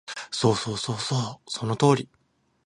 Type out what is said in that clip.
そうそうそうそう、その通り